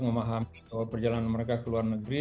memahami perjalanan mereka ke luar negeri